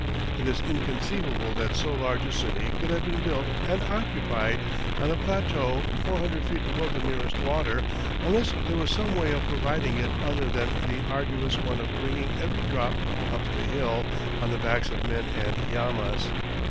It is inconceivable that so large a city could have been built and occupied on a plateau four hundred feet above the nearest water unless there was some way of providing it other than the arduous one of bringing every drop up the hill on the backs of men and llamas.